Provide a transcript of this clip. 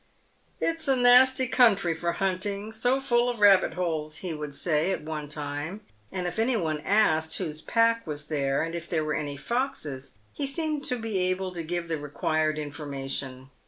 " It's a nasty country for hunting — so full of rabbit holes," he would say at one time; and if any one asked whose pack was there, and if there were any foxes, he seemed able to give the required information.